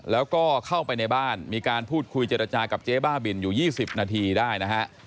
แล้วก็เข้าไปในบ้านมีการพูดคุยเจรจากับเจ๊บ้าบินอยู่๒๐นาทีได้นะฮะ